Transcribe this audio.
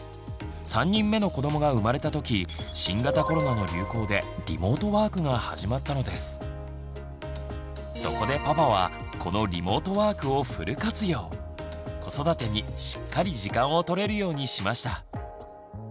３人目の子どもが生まれた時そこでパパは子育てにしっかり時間を取れるようにしました。